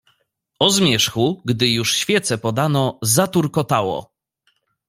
"O zmierzchu, gdy już świece podano, zaturkotało."